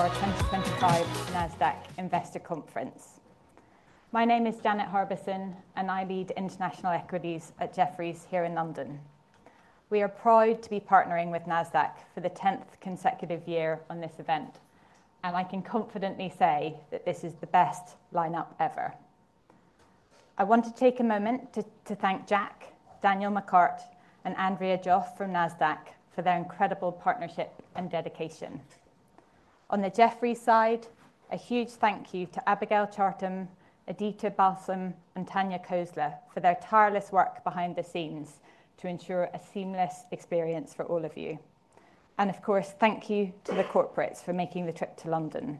For our 2025 Nasdaq Investor Conference. My name is Janet Harbison, and I lead International Equities at Jefferies here in London. We are proud to be partnering with Nasdaq for the 10th consecutive year on this event, and I can confidently say that this is the best lineup ever. I want to take a moment to thank Jack, Daniel McCart, and Andrea Hoff from Nasdaq for their incredible partnership and dedication. On the Jefferies side, a huge thank you to Abigail Charkham, Edyta Balsam, and Tanya Khosla for their tireless work behind the scenes to ensure a seamless experience for all of you. Of course, thank you to the corporates for making the trip to London.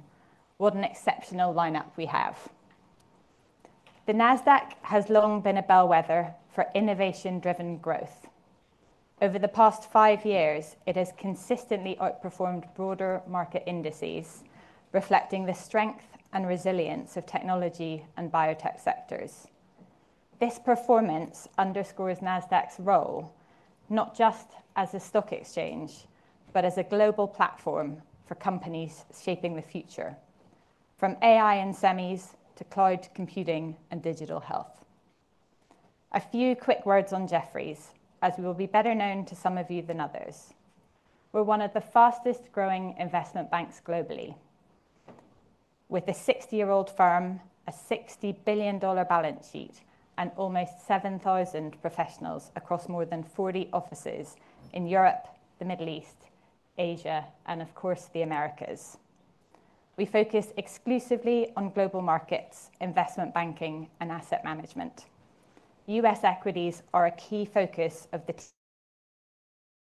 What an exceptional lineup we have. The Nasdaq has long been a bellwether for innovation-driven growth. Over the past five years, it has consistently outperformed broader market indices, reflecting the strength and resilience of Technology and Biotech sectors. This performance underscores Nasdaq's role, not just as a stock exchange, but as a global platform for companies shaping the future, from AI and semis to Cloud Computing and Digital Health. A few quick words on Jefferies, as we will be better known to some of you than others. We're one of the fastest-growing investment banks globally, with a 60-year-old firm, a $60 billion balance sheet, and almost 7,000 professionals across more than 40 offices in Europe, the Middle East, Asia, and of course, the Americas. We focus exclusively on Global Markets, Investment Banking, and Asset Management. U.S. equities are a key focus of the team.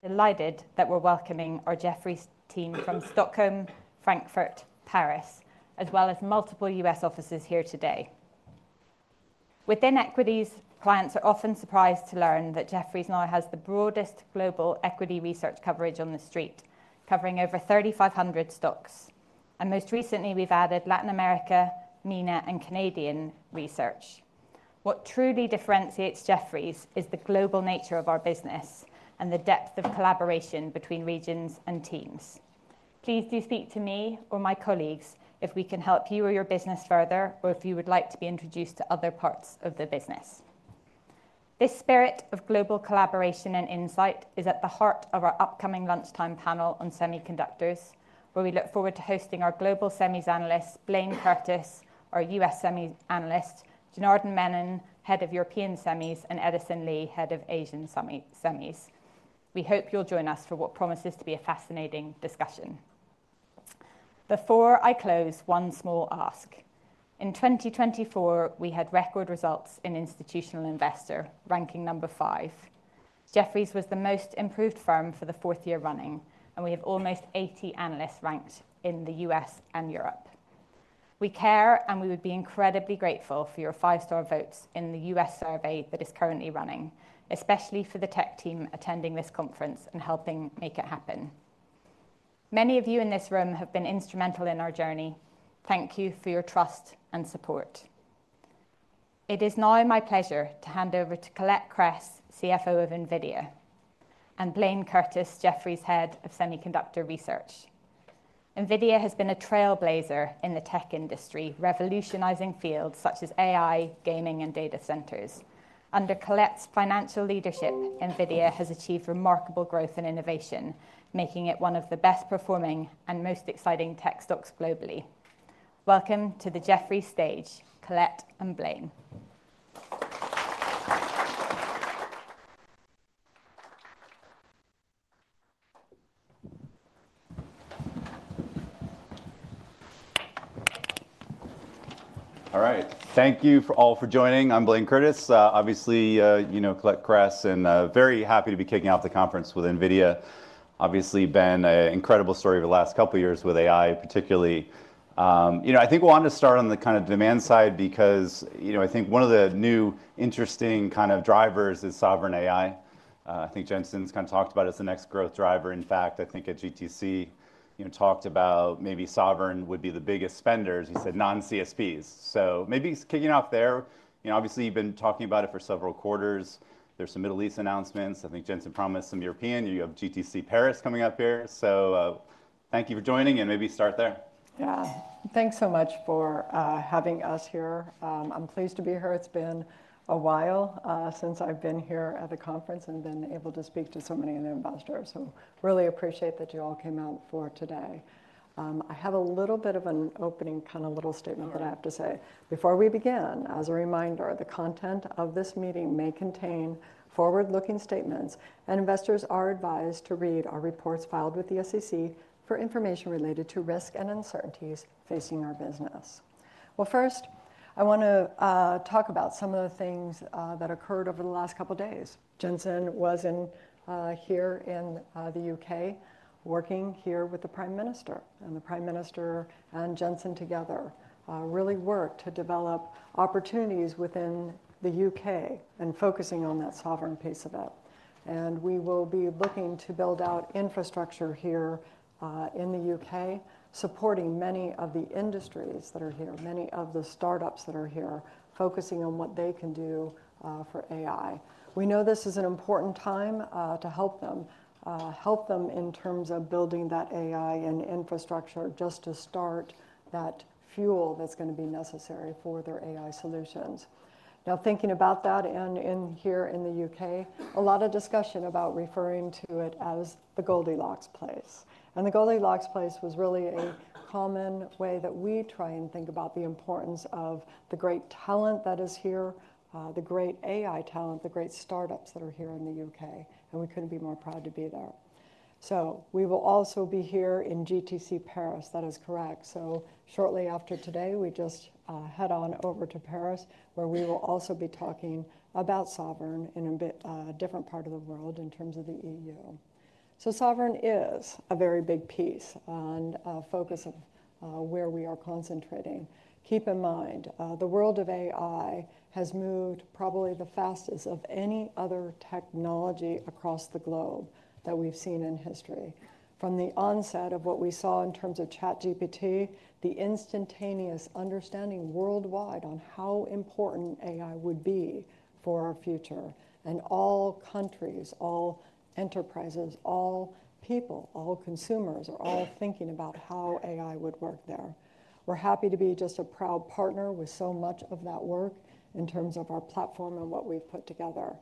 Delighted that we're welcoming our Jefferies team from Stockholm, Frankfurt, Paris, as well as multiple U.S. offices here today. Within equities, clients are often surprised to learn that Jefferies now has the broadest global equity research coverage on the street, covering over 3,500 stocks. Most recently, we've added Latin America, MENA, and Canadian research. What truly differentiates Jefferies is the global nature of our business and the depth of collaboration between regions and teams. Please do speak to me or my colleagues if we can help you or your business further, or if you would like to be introduced to other parts of the business. This spirit of global collaboration and insight is at the heart of our upcoming lunchtime panel on semiconductors, where we look forward to hosting our Global Semis Analyst, Blayne Curtis, our U.S. Semis Analyst, Janardan Menon, Head of European Semis, and Edison Lee, Head of Asian Semis. We hope you'll join us for what promises to be a fascinating discussion. Before I close, one small ask. In 2024, we had record results in Institutional Investor, ranking number five. Jefferies was the most improved firm for the fourth year running, and we have almost 80 analysts ranked in the U.S. and Europe. We care, and we would be incredibly grateful for your five-star votes in the U.S. survey that is currently running, especially for the tech team attending this conference and helping make it happen. Many of you in this room have been instrumental in our journey. Thank you for your trust and support. It is now my pleasure to hand over to Colette Kress, CFO of NVIDIA, and Blayne Curtis, Jefferies' Head of Semiconductor Research. NVIDIA has been a trailblazer in the tech industry, revolutionizing fields such as AI, Gaming, and Data Centers. Under Colette's financial leadership, NVIDIA has achieved remarkable growth and innovation, making it one of the best-performing and most exciting tech stocks globally. Welcome to the Jefferies stage, Colette and Blayne. All right. Thank you all for joining. I'm Blayne Curtis. Obviously, Colette Kress, and very happy to be kicking off the conference with NVIDIA. Obviously, been an incredible story over the last couple of years with AI, particularly. I think we wanted to start on the kind of demand side because I think one of the new interesting kind of drivers is sovereign AI. I think Jensen's kind of talked about it as the next growth driver. In fact, I think at GTC, talked about maybe sovereign would be the biggest spenders. He said non-CSPs. Maybe kicking off there, obviously, you've been talking about it for several quarters. There's some Middle East announcements. I think Jensen promised some European. You have GTC Paris coming up here. Thank you for joining and maybe start there. Yeah. Thanks so much for having us here. I'm pleased to be here. It's been a while since I've been here at the conference and been able to speak to so many of the ambassadors. I really appreciate that you all came out for today. I have a little bit of an opening kind of little statement that I have to say. Before we begin, as a reminder, the content of this meeting may contain forward-looking statements, and investors are advised to read our reports filed with the SEC for information related to risk and uncertainties facing our business. First, I want to talk about some of the things that occurred over the last couple of days. Jensen was here in the U.K., working here with the Prime Minister. The Prime Minister and Jensen together really worked to develop opportunities within the U.K. and focusing on that sovereign piece of it. We will be looking to build out infrastructure here in the U.K., supporting many of the industries that are here, many of the startups that are here, focusing on what they can do for AI. We know this is an important time to help them, help them in terms of building that AI and infrastructure just to start that fuel that is going to be necessary for their AI solutions. Now, thinking about that here in the U.K., a lot of discussion about referring to it as the Goldilocks place. The Goldilocks place was really a common way that we try and think about the importance of the great talent that is here, the great AI talent, the great startups that are here in the U.K. We couldn't be more proud to be there. We will also be here in GTC Paris. That is correct. Shortly after today, we just head on over to Paris, where we will also be talking about sovereign in a different part of the world in terms of the EU. Sovereign is a very big piece and a focus of where we are concentrating. Keep in mind, the world of AI has moved probably the fastest of any other technology across the globe that we've seen in history. From the onset of what we saw in terms of ChatGPT, the instantaneous understanding worldwide on how important AI would be for our future. All countries, all enterprises, all people, all consumers are all thinking about how AI would work there. We're happy to be just a proud partner with so much of that work in terms of our platform and what we've put together.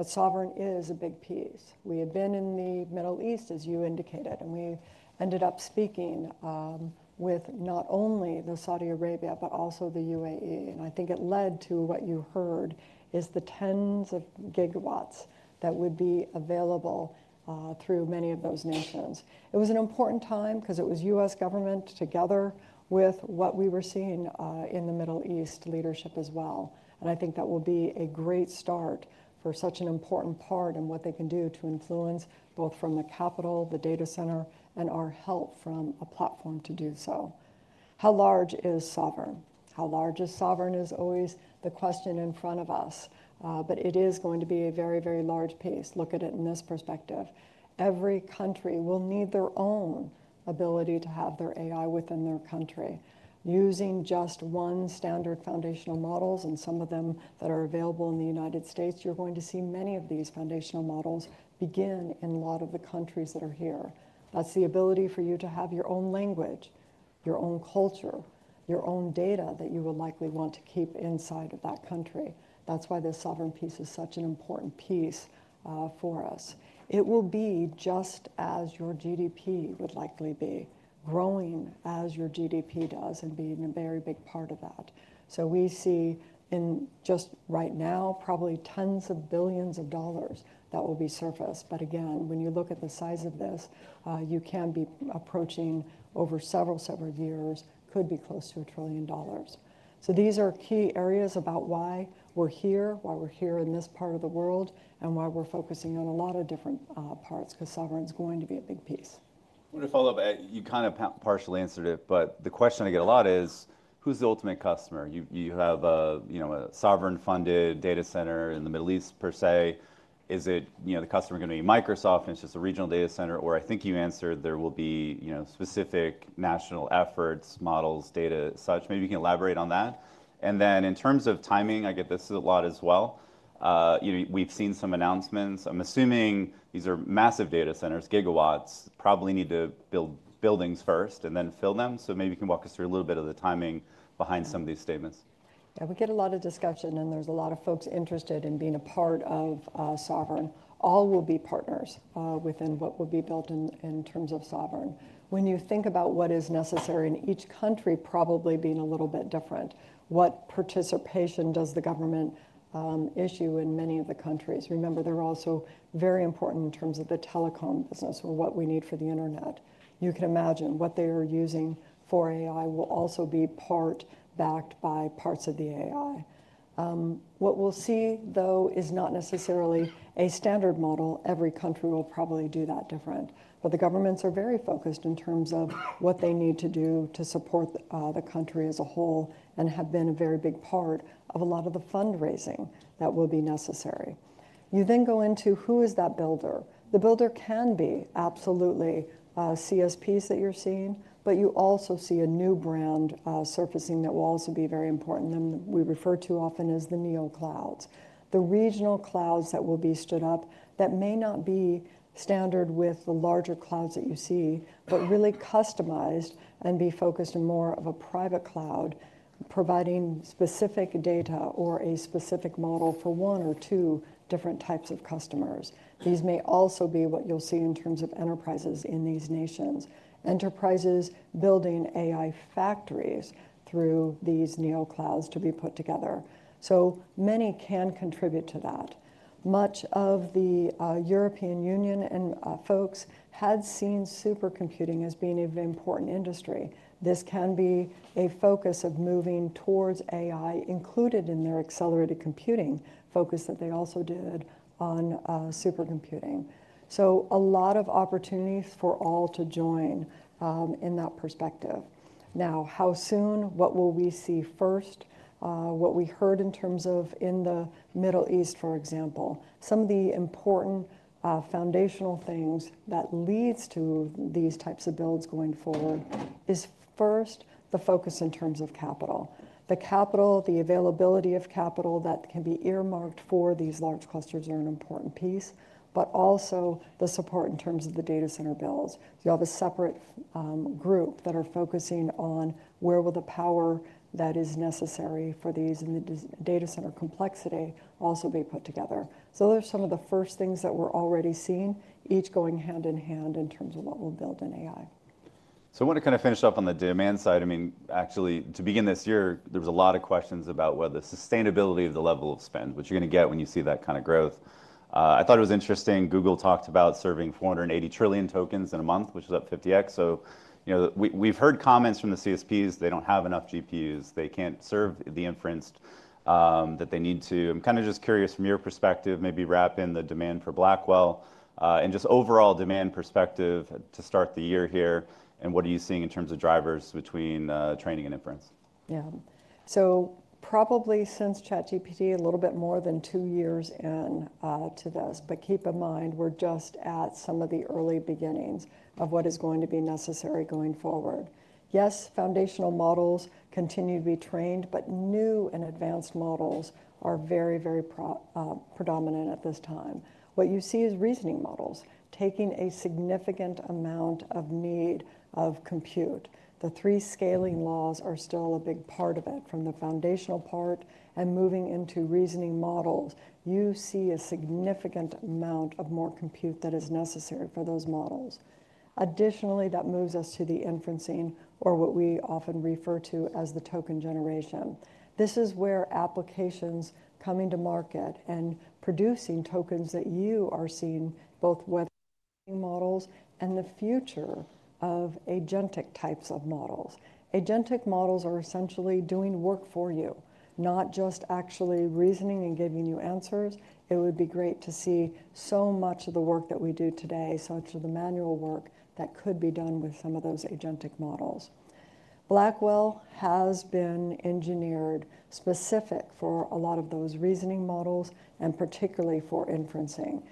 Sovereign is a big piece. We have been in the Middle East, as you indicated, and we ended up speaking with not only Saudi Arabia, but also the UAE. I think it led to what you heard is the tens of gigawatts that would be available through many of those nations. It was an important time because it was U.S. government together with what we were seeing in the Middle East leadership as well. I think that will be a great start for such an important part in what they can do to influence both from the Capital, the Data Center, and our help from a platform to do so. How large is sovereign? How large is sovereign is always the question in front of us. It is going to be a very, very large piece. Look at it in this perspective. Every country will need their own ability to have their AI within their country. Using just one standard foundational models, and some of them that are available in the United States, you're going to see many of these foundational models begin in a lot of the countries that are here. That's the ability for you to have your own language, your own culture, your own data that you would likely want to keep inside of that country. That's why this sovereign piece is such an important piece for us. It will be just as your GDP would likely be, growing as your GDP does and being a very big part of that. We see in just right now, probably tens of billions of dollars that will be surfaced. Again, when you look at the size of this, you can be approaching over several separate years, could be close to a trillion dollars. These are key areas about why we're here, why we're here in this part of the world, and why we're focusing on a lot of different parts because sovereign's going to be a big piece. I want to follow up. You kind of partially answered it, but the question I get a lot is, who's the ultimate customer? You have a sovereign-funded data center in the Middle East, per se. Is it the customer going to be Microsoft, and it's just a regional data center? I think you answered there will be specific national efforts, models, data, such. Maybe you can elaborate on that. In terms of timing, I get this a lot as well. We've seen some announcements. I'm assuming these are massive data centers, gigawatts, probably need to build buildings first and then fill them. Maybe you can walk us through a little bit of the timing behind some of these statements. Yeah, we get a lot of discussion, and there's a lot of folks interested in being a part of sovereign. All will be partners within what will be built in terms of sovereign. When you think about what is necessary in each country, probably being a little bit different, what participation does the government issue in many of the countries? Remember, they're also very important in terms of the Telecom business or what we need for the Internet. You can imagine what they are using for AI will also be part backed by parts of the AI. What we'll see, though, is not necessarily a standard model. Every country will probably do that different. The governments are very focused in terms of what they need to do to support the country as a whole and have been a very big part of a lot of the fundraising that will be necessary. You then go into who is that builder. The builder can be absolutely CSPs that you're seeing, but you also see a new brand surfacing that will also be very important and we refer to often as the neoclouds, the regional clouds that will be stood up that may not be standard with the larger clouds that you see, but really customized and be focused on more of a private cloud, providing specific data or a specific model for one or two different types of customers. These may also be what you'll see in terms of enterprises in these nations, enterprises building AI factories through these neoclouds to be put together. Many can contribute to that. Much of the European Union and folks had seen supercomputing as being an important industry. This can be a focus of moving towards AI, included in their accelerated computing focus that they also did on supercomputing. A lot of opportunities for all to join in that perspective. Now, how soon? What will we see first? What we heard in terms of in the Middle East, for example, some of the important foundational things that leads to these types of builds going forward is first the focus in terms of capital. The capital, the availability of capital that can be earmarked for these large clusters are an important piece, but also the support in terms of the data center builds. You have a separate group that are focusing on where will the power that is necessary for these and the data center complexity also be put together. Those are some of the first things that we're already seeing, each going hand-in-hand in terms of what we'll build in AI. I want to kind of finish up on the demand side. I mean, actually, to begin this year, there was a lot of questions about whether the sustainability of the level of spend, which you're going to get when you see that kind of growth. I thought it was interesting. Google talked about serving 480 trillion tokens in a month, which is up 50x. We've heard comments from the CSPs. They do not have enough GPUs. They cannot serve the inference that they need to. I'm kind of just curious from your perspective, maybe wrap in the demand for Blackwell and just overall demand perspective to start the year here. What are you seeing in terms of drivers between training and inference? Yeah. So probably since ChatGPT, a little bit more than two years into this. But keep in mind, we're just at some of the early beginnings of what is going to be necessary going forward. Yes, foundational models continue to be trained, but new and advanced models are very, very predominant at this time. What you see is reasoning models taking a significant amount of need of compute. The three scaling laws are still a big part of it from the foundational part and moving into reasoning models. You see a significant amount of more compute that is necessary for those models. Additionally, that moves us to the inferencing or what we often refer to as the token generation. This is where applications coming to market and producing tokens that you are seeing both with models. And the future of agentic types of models. Agentic models are essentially doing work for you, not just actually reasoning and giving you answers. It would be great to see so much of the work that we do today, such as the manual work that could be done with some of those agentic models. Blackwell has been engineered specific for a lot of those reasoning models and particularly for inferencing.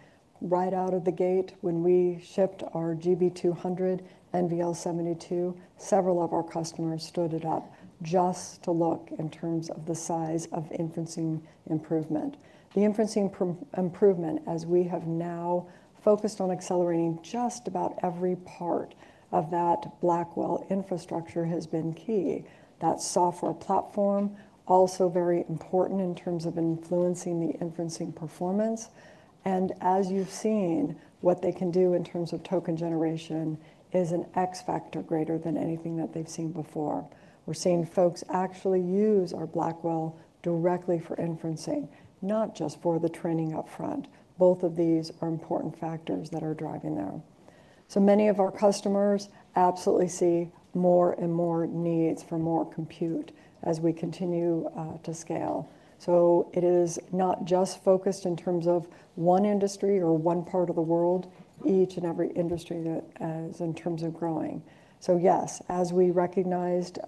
Right out of the gate, when we shipped our GB200 NVL72, several of our customers stood it up just to look in terms of the size of inferencing improvement. The inferencing improvement, as we have now focused on accelerating just about every part of that Blackwell infrastructure, has been key. That software platform, also very important in terms of influencing the inferencing performance. As you've seen, what they can do in terms of token generation is an X factor greater than anything that they've seen before. We're seeing folks actually use our Blackwell directly for inferencing, not just for the training upfront. Both of these are important factors that are driving there. Many of our customers absolutely see more and more needs for more compute as we continue to scale. It is not just focused in terms of one industry or one part of the world, each and every industry in terms of growing. Yes, as we recognized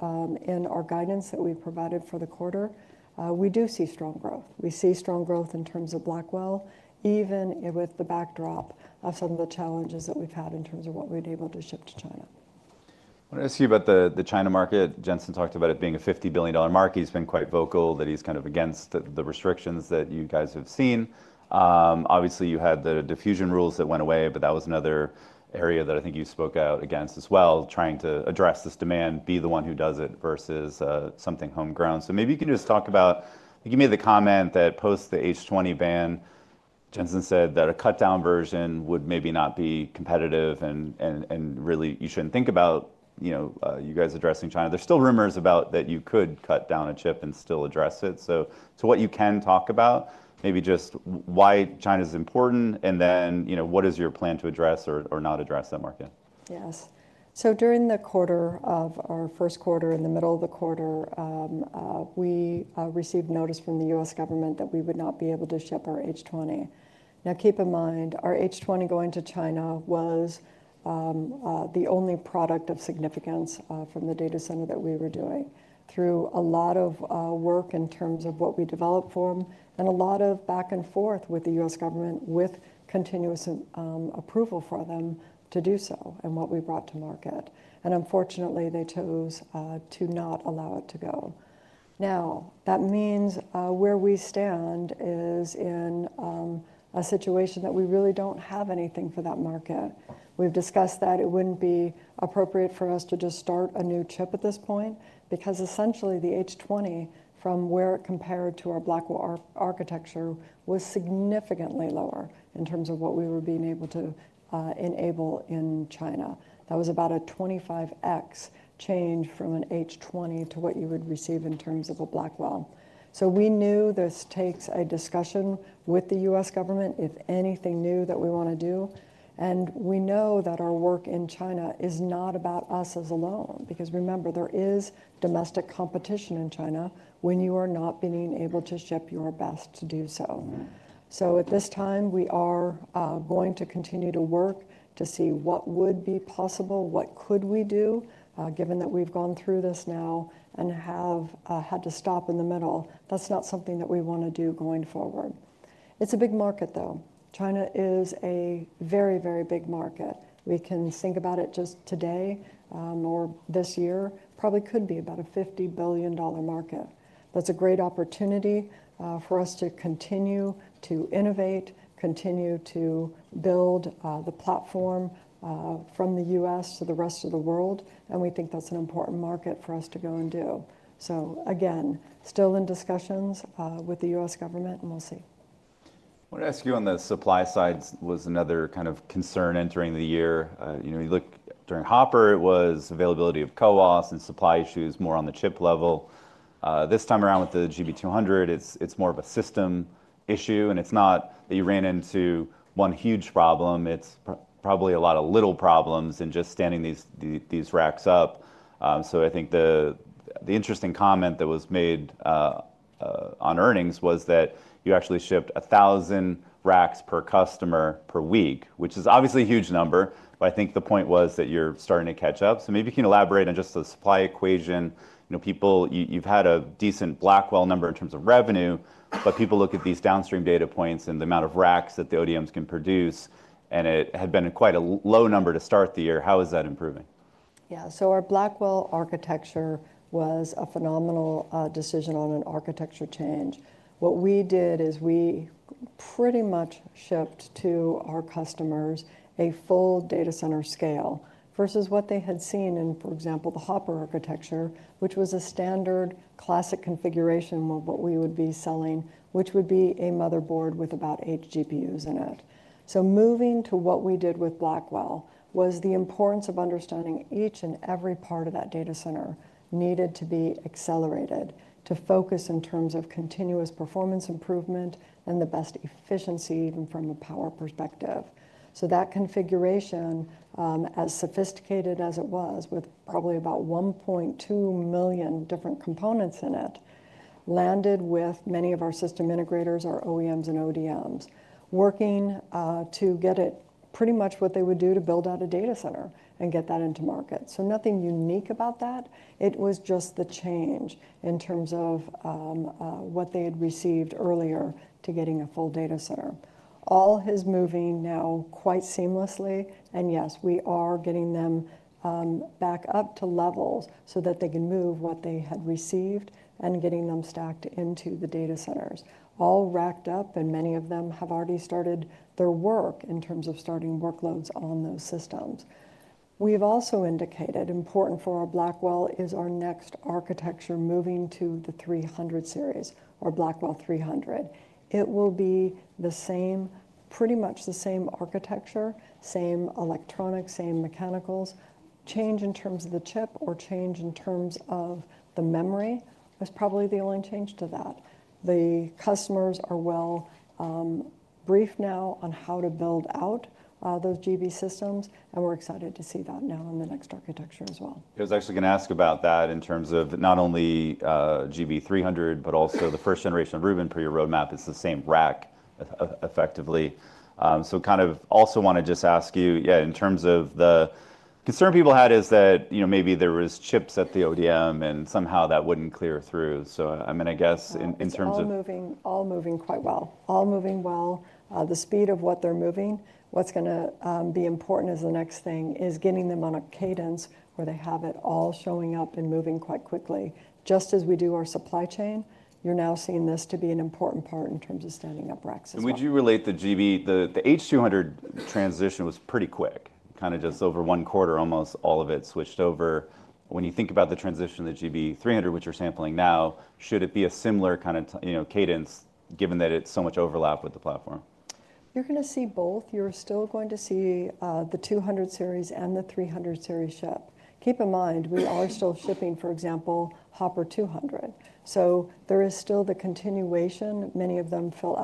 in our guidance that we provided for the quarter, we do see strong growth. We see strong growth in terms of Blackwell, even with the backdrop of some of the challenges that we've had in terms of what we're able to ship to China. I want to ask you about the China market. Jensen talked about it being a $50 billion market. He's been quite vocal that he's kind of against the restrictions that you guys have seen. Obviously, you had the diffusion rules that went away, but that was another area that I think you spoke out against as well, trying to address this demand, be the one who does it versus something homegrown. Maybe you can just talk about, give me the comment that post the H20 ban, Jensen said that a cutdown version would maybe not be competitive. Really, you shouldn't think about you guys addressing China. There's still rumors about that you could cut down a chip and still address it. To what you can talk about, maybe just why China is important, and then what is your plan to address or not address that market? Yes. During the quarter of our first quarter, in the middle of the quarter, we received notice from the U.S. government that we would not be able to ship our H20. Now, keep in mind, our H20 going to China was the only product of significance from the data center that we were doing through a lot of work in terms of what we developed for them and a lot of back and forth with the U.S. government with continuous approval for them to do so and what we brought to market. Unfortunately, they chose to not allow it to go. That means where we stand is in a situation that we really do not have anything for that market. We've discussed that it wouldn't be appropriate for us to just start a new chip at this point because essentially the H20 from where it compared to our Blackwell architecture was significantly lower in terms of what we were being able to enable in China. That was about a 25x change from an H20 to what you would receive in terms of a Blackwell. We knew this takes a discussion with the U.S. government, if anything new that we want to do. We know that our work in China is not about us as alone because remember, there is domestic competition in China when you are not being able to ship your best to do so. At this time, we are going to continue to work to see what would be possible, what could we do, given that we've gone through this now and have had to stop in the middle. That's not something that we want to do going forward. It's a big market, though. China is a very, very big market. We can think about it just today or this year, probably could be about a $50 billion market. That's a great opportunity for us to continue to innovate, continue to build the platform from the U.S. to the rest of the world. We think that's an important market for us to go and do. Again, still in discussions with the U.S. government, and we'll see. I want to ask you on the supply side was another kind of concern entering the year. You look during Hopper, it was availability of CoWoS and supply issues more on the chip level. This time around with the GB200, it's more of a system issue. It's not that you ran into one huge problem. It's probably a lot of little problems in just standing these racks up. I think the interesting comment that was made on earnings was that you actually shipped 1,000 racks per customer per week, which is obviously a huge number. I think the point was that you're starting to catch up. Maybe you can elaborate on just the supply equation. People, you've had a decent Blackwell number in terms of revenue, but people look at these downstream data points and the amount of racks that the ODMs can produce, and it had been quite a low number to start the year. How is that improving? Yeah. Our Blackwell architecture was a phenomenal decision on an architecture change. What we did is we pretty much shipped to our customers a full data center scale versus what they had seen in, for example, the Hopper architecture, which was a standard classic configuration of what we would be selling, which would be a motherboard with about eight GPUs in it. Moving to what we did with Blackwell was the importance of understanding each and every part of that data center needed to be accelerated to focus in terms of continuous performance improvement and the best efficiency even from a power perspective. That configuration, as sophisticated as it was, with probably about 1.2 million different components in it, landed with many of our system integrators, our OEMs and ODMs working to get it pretty much what they would do to build out a data center and get that into market. Nothing unique about that. It was just the change in terms of what they had received earlier to getting a full data center. All is moving now quite seamlessly. Yes, we are getting them back up to levels so that they can move what they had received and getting them stacked into the data centers, all racked up. Many of them have already started their work in terms of starting workloads on those systems. We've also indicated important for our Blackwell is our next architecture moving to the 300 series or Blackwell 300. It will be the same, pretty much the same architecture, same electronics, same mechanicals. Change in terms of the chip or change in terms of the memory is probably the only change to that. The customers are well briefed now on how to build out those GB systems. And we're excited to see that now in the next architecture as well. I was actually going to ask about that in terms of not only GB300, but also the first generation of Rubin per your roadmap. It's the same rack effectively. Kind of also want to just ask you, yeah, in terms of the concern people had is that maybe there were chips at the ODM and somehow that wouldn't clear through. I mean, I guess in terms of. It's all moving quite well. All moving well. The speed of what they're moving, what's going to be important as the next thing is getting them on a cadence where they have it all showing up and moving quite quickly. Just as we do our supply chain, you're now seeing this to be an important part in terms of standing up racks as well. Would you relate the H200 transition was pretty quick, kind of just over one quarter, almost all of it switched over. When you think about the transition of the GB300, which you're sampling now, should it be a similar kind of cadence given that it's so much overlap with the platform? You're going to see both. You're still going to see the 200 series and the 300 series ship. Keep in mind, we are still shipping, for example, Hopper 200. So there is still the continuation. Many of them fill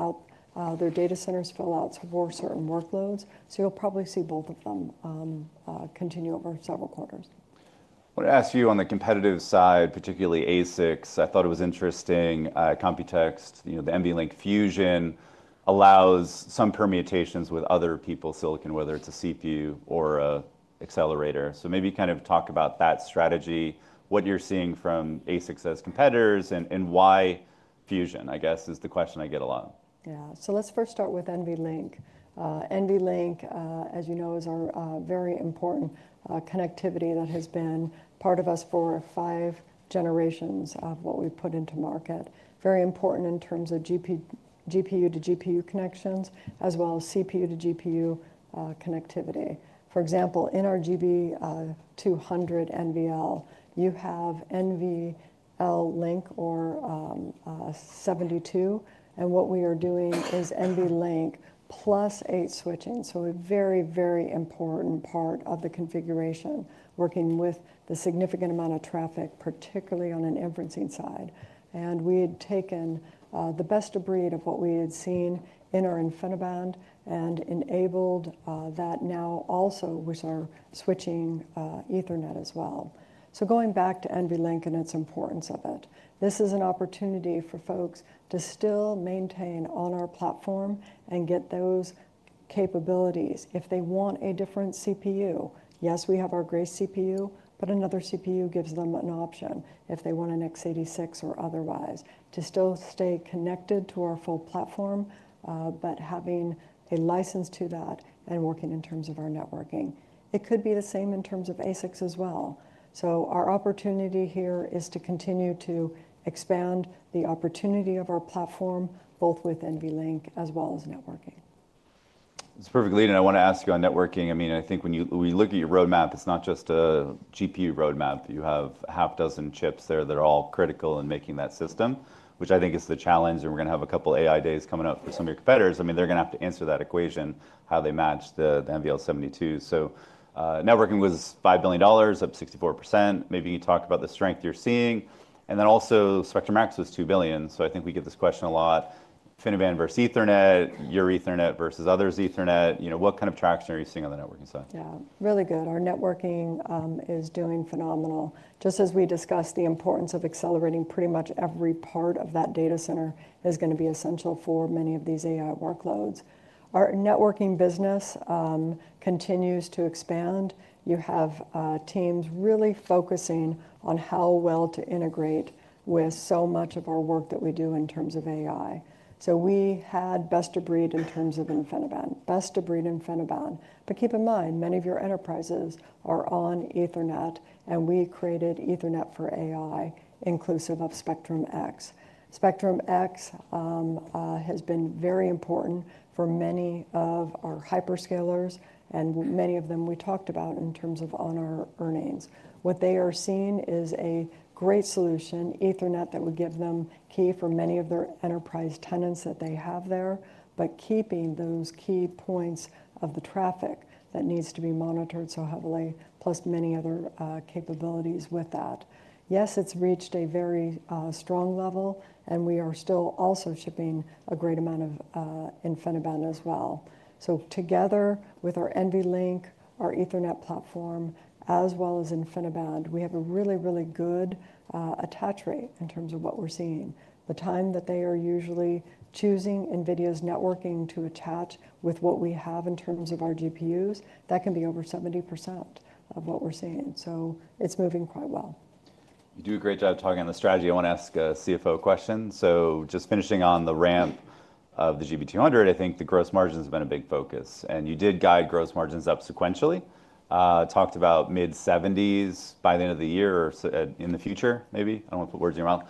out their data centers, fill out for certain workloads. So you'll probably see both of them continue over several quarters. I want to ask you on the competitive side, particularly ASICs. I thought it was interesting. COMPUTEX, the NVLink Fusion allows some permutations with other people's silicon, whether it's a CPU or an accelerator. Maybe kind of talk about that strategy, what you're seeing from ASICs as competitors and why Fusion, I guess, is the question I get a lot. Yeah. Let's first start with NVLink. NVLink, as you know, is our very important connectivity that has been part of us for five generations of what we put into market. Very important in terms of GPU to GPU connections as well as CPU to GPU connectivity. For example, in our GB200 NVL, you have NVLink or 72. What we are doing is NVLink plus eight switching. A very, very important part of the configuration working with the significant amount of traffic, particularly on an inferencing side. We had taken the best of breed of what we had seen in our InfiniBand and enabled that now also, which are switching Ethernet as well. Going back to NVLink and its importance, this is an opportunity for folks to still maintain on our platform and get those capabilities. If they want a different CPU, yes, we have our Grace CPU, but another CPU gives them an option if they want an x86 or otherwise to still stay connected to our full platform, but having a license to that and working in terms of our networking. It could be the same in terms of ASICs as well. Our opportunity here is to continue to expand the opportunity of our platform both with NVLink as well as networking. That's a perfect lead. I want to ask you on networking. I mean, I think when you look at your roadmap, it's not just a GPU roadmap. You have half dozen chips there that are all critical in making that system, which I think is the challenge. We're going to have a couple of AI days coming up for some of your competitors. I mean, they're going to have to answer that equation, how they match the NVL72. Networking was $5 billion, up 64%. Maybe you can talk about the strength you're seeing. Also, Spectrum-X was $2 billion. I think we get this question a lot. InfiniBand versus Ethernet, your Ethernet versus others' Ethernet. What kind of traction are you seeing on the networking side? Yeah, really good. Our networking is doing phenomenal. Just as we discussed, the importance of accelerating pretty much every part of that data center is going to be essential for many of these AI workloads. Our networking business continues to expand. You have teams really focusing on how well to integrate with so much of our work that we do in terms of AI. We had best of breed in terms of InfiniBand, best of breed InfiniBand. Keep in mind, many of your enterprises are on Ethernet, and we created Ethernet for AI inclusive of Spectrum-X. Spectrum-X has been very important for many of our hyperscalers, and many of them we talked about in terms of on our earnings. What they are seeing is a great solution, Ethernet that would give them key for many of their enterprise tenants that they have there, but keeping those key points of the traffic that needs to be monitored so heavily, plus many other capabilities with that. Yes, it's reached a very strong level, and we are still also shipping a great amount of InfiniBand as well. Together with our NVLink, our Ethernet platform, as well as InfiniBand, we have a really, really good attach rate in terms of what we're seeing. The time that they are usually choosing NVIDIA's networking to attach with what we have in terms of our GPUs, that can be over 70% of what we're seeing. It's moving quite well. You do a great job talking on the strategy. I want to ask a CFO question. Just finishing on the ramp of the GB200, I think the gross margins have been a big focus. You did guide gross margins up sequentially, talked about mid-70s by the end of the year or in the future, maybe. I do not want to put words in your mouth.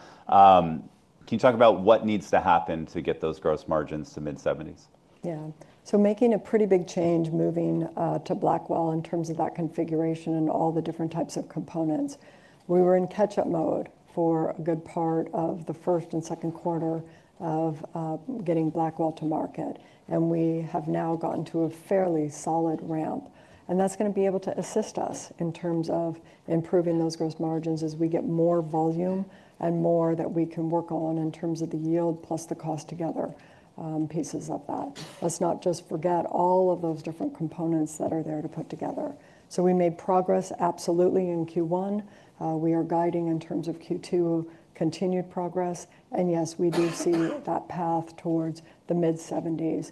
Can you talk about what needs to happen to get those gross margins to mid-70s? Yeah. Making a pretty big change moving to Blackwell in terms of that configuration and all the different types of components. We were in catch-up mode for a good part of the first and second quarter of getting Blackwell to market. We have now gotten to a fairly solid ramp. That is going to be able to assist us in terms of improving those gross margins as we get more volume and more that we can work on in terms of the yield plus the cost together, pieces of that. Let's not just forget all of those different components that are there to put together. We made progress absolutely in Q1. We are guiding in terms of Q2 continued progress. Yes, we do see that path towards the mid-70%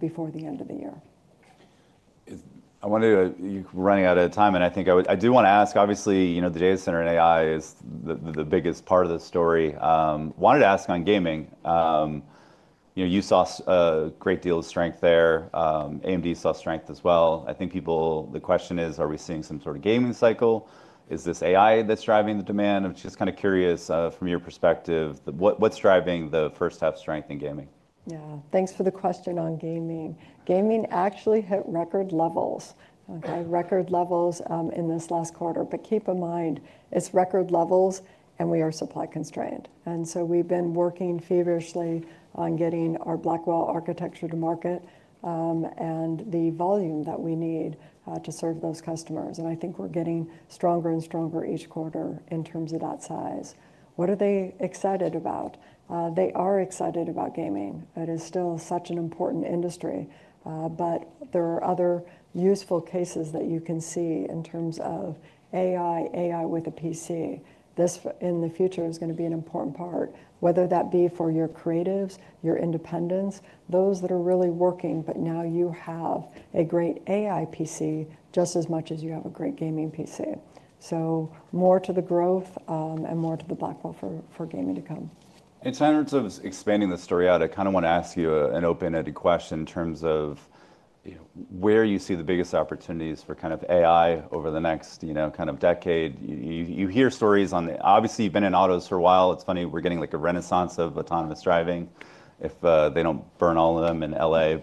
before the end of the year. I want to, you're running out of time, and I think I do want to ask, obviously, the data center and AI is the biggest part of the story. Wanted to ask on gaming. You saw a great deal of strength there. AMD saw strength as well. I think people, the question is, are we seeing some sort of gaming cycle? Is this AI that's driving the demand? I'm just kind of curious from your perspective, what's driving the first-half strength in gaming? Yeah. Thanks for the question on gaming. Gaming actually hit record levels, record levels in this last quarter. Keep in mind, it's record levels and we are supply constrained. We have been working feverishly on getting our Blackwell architecture to market and the volume that we need to serve those customers. I think we're getting stronger and stronger each quarter in terms of that size. What are they excited about? They are excited about gaming. It is still such an important industry. There are other useful cases that you can see in terms of AI, AI with a PC. This in the future is going to be an important part, whether that be for your creatives, your independents, those that are really working, but now you have a great AI PC just as much as you have a great gaming PC. More to the growth and more to the Blackwell for gaming to come. In terms of expanding the story out, I kind of want to ask you an open-ended question in terms of where you see the biggest opportunities for kind of AI over the next kind of decade. You hear stories on, obviously, you've been in autos for a while. It's funny, we're getting like a renaissance of autonomous driving if they don't burn all of them in L.A.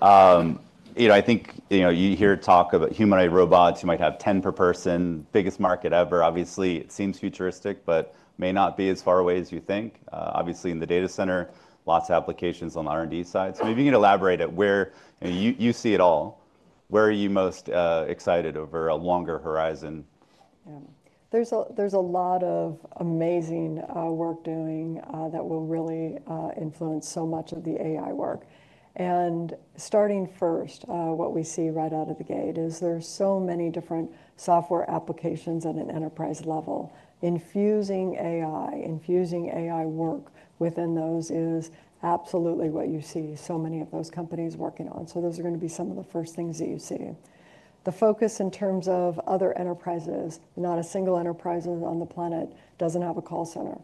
I think you hear talk about humanoid robots who might have 10 per person, biggest market ever. Obviously, it seems futuristic, but may not be as far away as you think. Obviously, in the data center, lots of applications on the R&D side. Maybe you can elaborate at where you see it all. Where are you most excited over a longer horizon? There's a lot of amazing work doing that will really influence so much of the AI work. Starting first, what we see right out of the gate is there's so many different software applications at an enterprise level. Infusing AI, infusing AI work within those is absolutely what you see so many of those companies working on. Those are going to be some of the first things that you see. The focus in terms of other enterprises, not a single enterprise on the planet doesn't have a call center.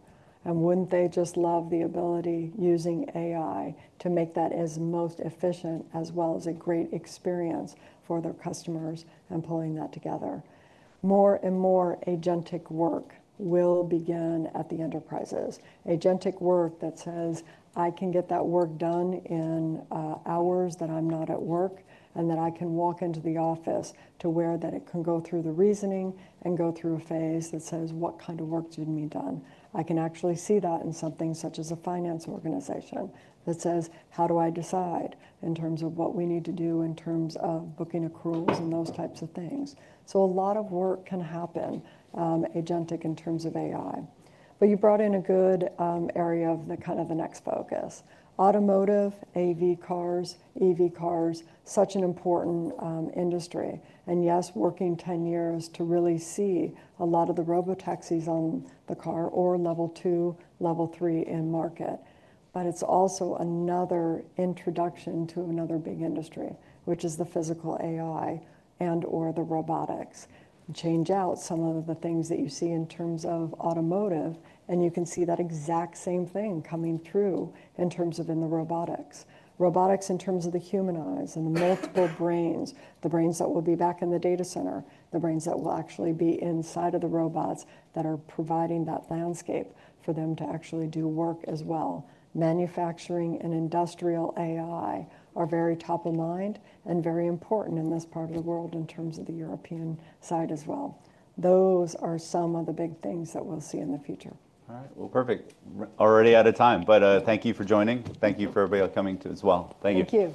Wouldn't they just love the ability using AI to make that as most efficient as well as a great experience for their customers and pulling that together? More and more agentic work will begin at the enterprises. Agentic work that says, I can get that work done in hours that I'm not at work and that I can walk into the office to where that it can go through the reasoning and go through a phase that says, what kind of work didn't need done. I can actually see that in something such as a finance organization that says, how do I decide in terms of what we need to do in terms of booking accruals and those types of things. A lot of work can happen agentic in terms of AI. You brought in a good area of the kind of the next focus. Automotive, AV cars, EV cars, such an important industry. Yes, working 10 years to really see a lot of the Robotaxis on the car or level two, level three in market. It is also another introduction to another big industry, which is the physical AI and/or the Robotics. Change out some of the things that you see in terms of automotive, and you can see that exact same thing coming through in terms of in the robotics. Robotics in terms of the human eyes and the multiple brains, the brains that will be back in the data center, the brains that will actually be inside of the robots that are providing that landscape for them to actually do work as well. Manufacturing and industrial AI are very top of mind and very important in this part of the world in terms of the European side as well. Those are some of the big things that we'll see in the future. All right. Perfect. Already out of time, but thank you for joining. Thank you for everybody coming too as well. Thank you. Thank you.